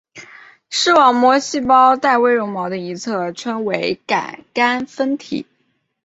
视网膜细胞带微绒毛的一侧称为感杆分体。